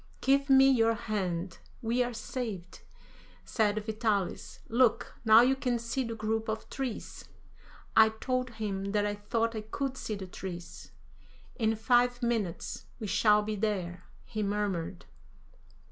"Give me your hand, we are saved," said Vitalis; "look, now you can see the group of trees." I told him that I thought I could see the trees. "In five minutes we shall be there," he murmured.